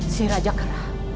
si raja kera